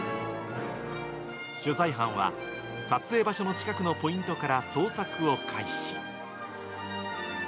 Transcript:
取材班は撮影場所の近くのポイントから捜索を開始。